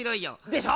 でしょ。